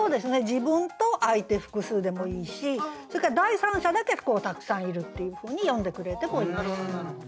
自分と相手複数でもいいしそれから第３者だけたくさんいるっていうふうに詠んでくれてもいいです。